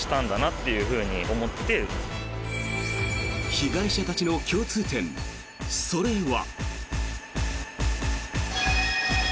被害者たちの共通点それは。